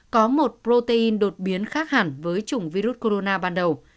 có một protein đột biến khác hẳn với chủng virus corona ban đầu